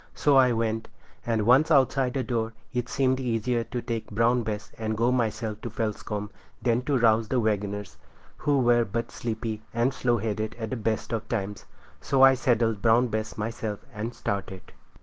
So I went, and once outside the door it seemed easier to take Brown Bess and go myself to Felscombe than to rouse the waggoners, who were but sleepy and slow headed at the best of times. So I saddled Brown Bess myself and started.